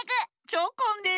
チョコンです。